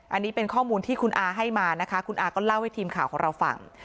อันนี้เป็นข้อมูลที่คุณอาให้มานะคะคุณอาก็เล่าให้ทีมข่าวของเราฟัง